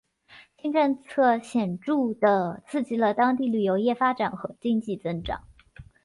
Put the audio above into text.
新政策显着地刺激了当地旅游业发展和经济增长。